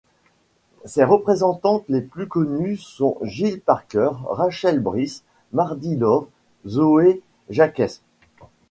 Ses représentantes les plus connues sont Jill Parker, Rachel Brice, Mardi Love, Zoe Jakes...